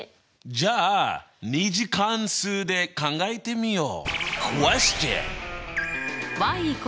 じゃあ２次関数で考えてみよう！